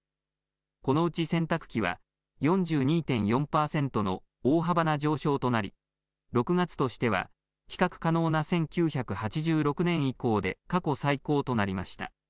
このうち洗濯機は４２．４％の大幅な上昇となり６月としては比較可能な１９８６年以降で過去最高となりました。